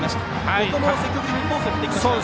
ここも積極的にフォークを振ってきました。